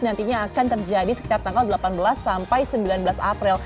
nantinya akan terjadi sekitar tanggal delapan belas sampai sembilan belas april